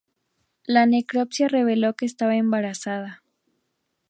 La necropsia reveló que estaba embarazada.